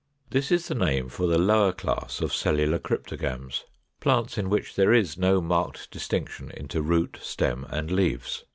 This is the name for the lower class of Cellular Cryptogams, plants in which there is no marked distinction into root, stem, and leaves.